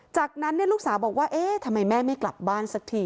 จากนั้นลูกสาวบอกว่าเอ๊ะทำไมแม่ไม่กลับบ้านสักที